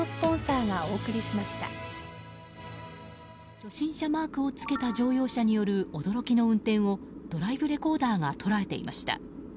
初心者マークを付けた乗用車による驚きの運転をドライブレコーダーが捉えていました。